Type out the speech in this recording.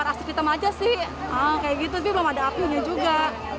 asik hitam aja sih kayak gitu sih belum ada apinya juga